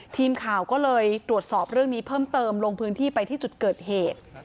ทีมข่าวก็เลยตรวจสอบเรื่องนี้เพิ่มเติมลงพื้นที่ไปที่จุดเกิดเหตุ